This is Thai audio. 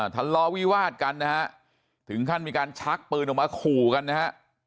ทะเลาะวิวาดกันนะฮะถึงขั้นมีการชักปืนออกมาขู่กันนะฮะ